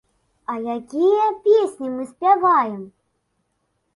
А якія песні мы спяваем?